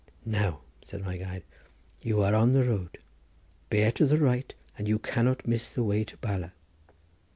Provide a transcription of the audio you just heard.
"Now," said my guide, "you are on the road; bear to the right and you cannot miss the way to Bala."